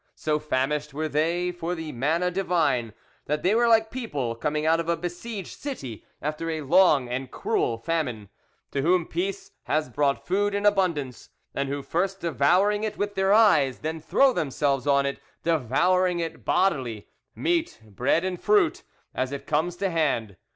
So famished were they for the manna divine, that they were like people coming out of a besieged city, after a long and cruel famine, to whom peace has brought food in abundance, and who, first devouring it with their eyes, then throw themselves on it, devouring it bodily—meat, bread, and fruit—as it comes to hand.